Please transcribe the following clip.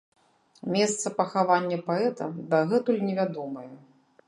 Месца пахавання паэта дагэтуль невядомае.